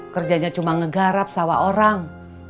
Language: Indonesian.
kerjanya cuma ngegarap sawah orang